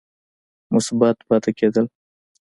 مثبت پاتې کېد ل